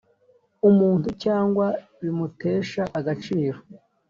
umuntu cyangwa bimutesha agaciro